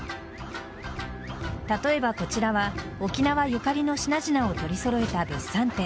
例えばこちらは沖縄ゆかりの品々を取り揃えた物産店。